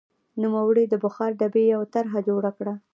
نوموړي د بخار ډبې یوه طرحه جوړه کړه.